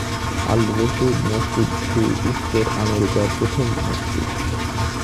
আল-রশিদ মসজিদটি উত্তর আমেরিকার প্রথম মসজিদ।